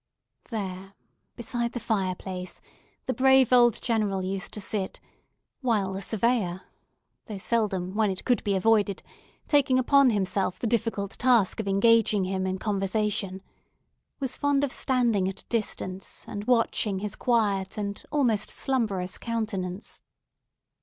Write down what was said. There, beside the fireplace, the brave old General used to sit; while the Surveyor—though seldom, when it could be avoided, taking upon himself the difficult task of engaging him in conversation—was fond of standing at a distance, and watching his quiet and almost slumberous countenance.